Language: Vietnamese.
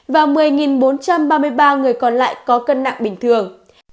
và một mươi bốn trăm ba mươi ba người còn lại có cân nặng bình thường